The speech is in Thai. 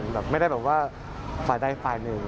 แบบไม่ได้แบบว่าฝ่ายใดฝ่ายหนึ่ง